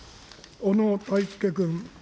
小野泰輔君。